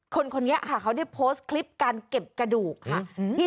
คนนี้ค่ะเขาได้โพสต์คลิปการเก็บกระดูกค่ะ